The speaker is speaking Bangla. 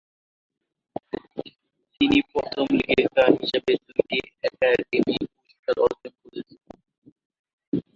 তিনি প্রথম লেখিকা হিসেবে দুটি একাডেমি পুরস্কার অর্জন করেন।